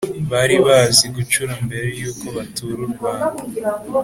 bari bazi gucura mbere yuko batura u Rwanda